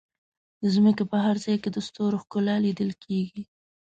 د ځمکې په هر ځای کې د ستورو ښکلا لیدل کېږي.